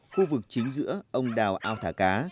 khu vực chính giữa ông đào ao thả cá